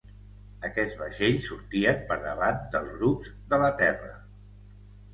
Aquests vaixells sortien per davant dels grups de la terra.